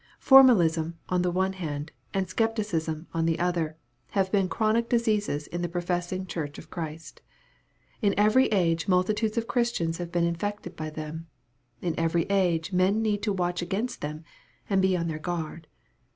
Formalism on the one hand, and scepticism on the other, have been chronic diseases in the professing Church of Christ. In every age multitudes of Christians have been infected by them. In every age men need to watch against them, and be on their guard.